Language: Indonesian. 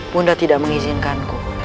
bunda tidak mengizinkanku